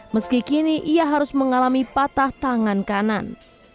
meski kini ia harus mengalami patah tangan kanan